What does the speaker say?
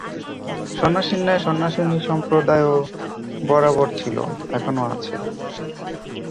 সন্ন্যাসীর ন্যায় সন্ন্যাসিনী-সম্প্রদায়ও বরাবর ছিল, এখনও আছে।